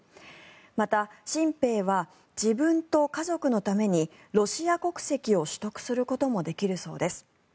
また新兵は自分と家族のためにロシア国籍を取得することもできるそうです。